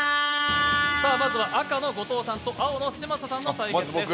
まずは赤の後藤さんと青の嶋佐さんの対決です。